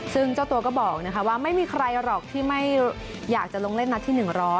ซึ่งเจ้าตัวก็บอกว่าไม่มีใครหรอกที่ไม่อยากจะลงเล่นนัดที่๑๐๐